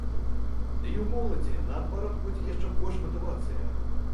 Ды і ў моладзі, наадварот, будзе яшчэ больш матывацыя.